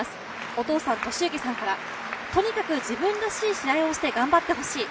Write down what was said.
お父さん、利行さんからとにかく自分らしい試合をして頑張ってほしい。